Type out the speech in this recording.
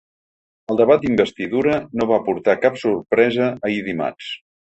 El debat d’investidura no va aportar cap sorpresa ahir dimarts.